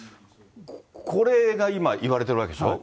これが今、言われてるわけでしょ。